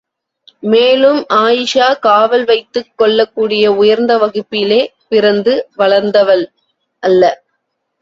மேலும் ஆயீஷா காவல் வைத்துக் கொள்ளக்கூடிய உயர்ந்த வகுப்பிலே பிறந்து வளர்ந்த்வ்ஸ் அல்ல.